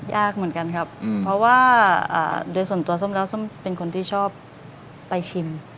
ยากเหมือนกันครับเพราะว่าโดยส่วนตัวส้มแล้วส้มเป็นคนที่ชอบไปชิม